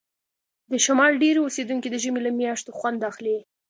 د شمال ډیری اوسیدونکي د ژمي له میاشتو خوند اخلي